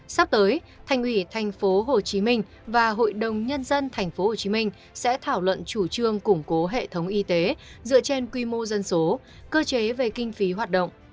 sắp tới thành ủy tp hcm và hội đồng nhân dân tp hcm sẽ thảo luận chủ trương củng cố hệ thống y tế dựa trên quy mô dân số cơ chế về kinh phí hoạt động